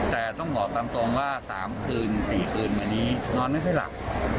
แต่ต้องบอกตามตรงว่า๓คืน๔คืนมานี้นอนไม่ค่อยหลับ